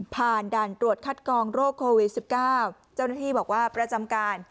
ผ่านด่านตรวจคัดกองโรคโควิด๑๙เจ้าหน้าที่บอกว่าประจำการ